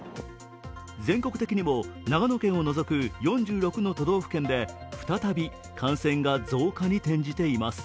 全国的にも、長野県を除く４６の都道府県で再び感染が増加に転じています。